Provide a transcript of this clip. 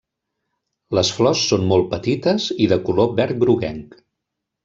Les flors són molt petites i de color verd groguenc.